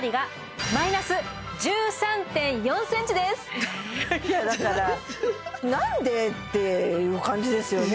大竹さんはいやだからなんで？っていう感じですよね